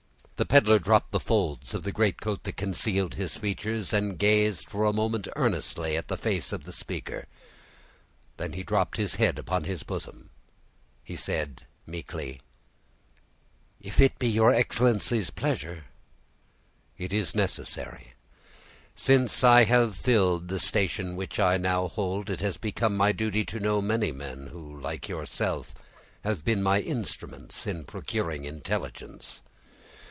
The peddler dropped the folds of the greatcoat that concealed his features, and gazed for a moment earnestly at the face of the speaker; then dropping his head upon his bosom, he said, meekly,— "If it be your excellency's pleasure." "It is necessary. Since I have filled the station which I now hold, it has become my duty to know many men, who, like yourself, have been my instruments in procuring intelligence.